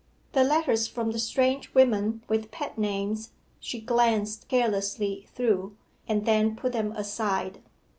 The letters from the strange women with pet names she glanced carelessly through, and then put them aside.